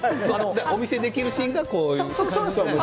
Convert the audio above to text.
お見せできるシーンがこういうもので。